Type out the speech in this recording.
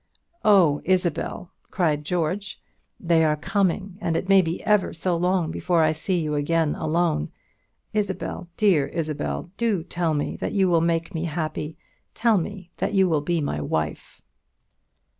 "Oh, Isabel!" cried George, "they are coming, and it maybe ever so long before I see you again alone. Isabel, dear Isabel! do tell me that you will make me happy tell me that you will be my wife!"